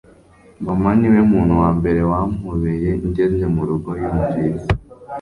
mama ni we muntu wa mbere wampobeye ngeze mu rugo. yumvise